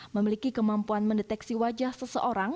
memiliki kemampuan mendeteksi wajah seseorang